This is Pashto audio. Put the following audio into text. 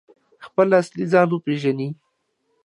خپل اصلي ځان وپیژني؟